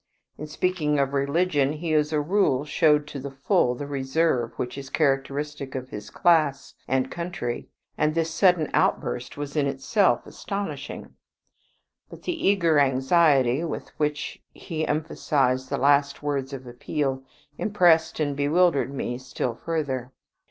In speaking of religion he, as a rule, showed to the full the reserve which is characteristic of his class and country, and this sudden outburst was in itself astonishing; but the eager anxiety with which he emphasized the last words of appeal impressed and bewildered me still further.